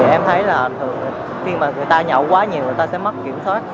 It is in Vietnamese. em thấy là khi mà người ta nhậu quá nhiều người ta sẽ mất kiểm soát